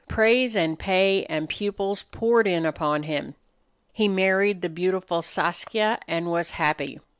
Praise and pay and pupils poured in upon him. He married the beautiful Saskia and was happy.